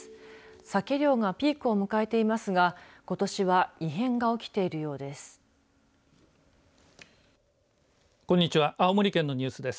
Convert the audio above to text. サケ漁がピークを迎えていますがことしは異変が起きているようです。